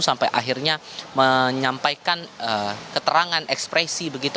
sampai akhirnya menyampaikan keterangan ekspresi begitu